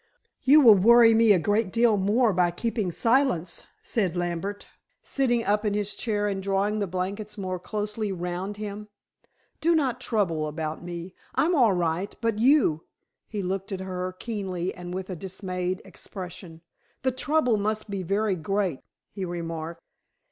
"You will worry me a great deal more by keeping silence," said Lambert, sitting up in his chair and drawing the blankets more closely round him. "Do not trouble about me. I'm all right. But you " he looked at her keenly and with a dismayed expression. "The trouble must be very great," he remarked.